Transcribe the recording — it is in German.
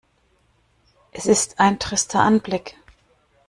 Es ist ein trister Anblick.